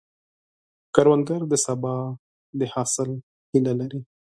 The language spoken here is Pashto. کروندګر د سبا د حاصل هیله لري